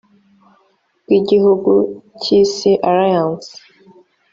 bw igihu k isi alliance